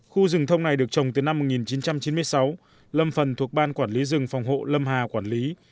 khu rừng thông này được trồng từ năm một nghìn chín trăm chín mươi sáu lâm phần thuộc ban quản lý rừng phòng hộ lâm hà quản lý